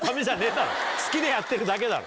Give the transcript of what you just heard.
好きでやってるだけだろ。